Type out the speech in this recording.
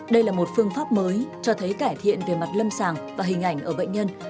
đây là một phương pháp mới cho thấy cải thiện về mặt lâm sàng và hình ảnh ở bệnh nhân